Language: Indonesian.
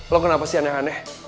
lo kenapa sih aneh aneh